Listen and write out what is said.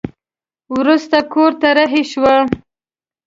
وروسته کور ته رهي شوه.